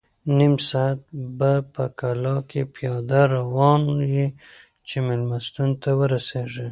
نیم ساعت به په کلا کې پیاده روان یې چې مېلمستون ته ورسېږې.